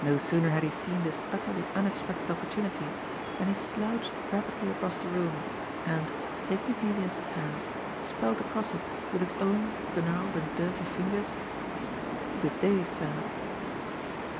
No sooner had he seen this utterly unexpected oppor tunity, than he slouched rapidly across the room, and, tak ing Elias's hand, spelt across it with his own gnarled and dirty fingers :" Good day, sir."